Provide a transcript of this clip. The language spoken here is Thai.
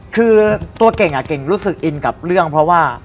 คือตัวเก่งเก่งรู้สึกอินกับเรื่องเพราะว่า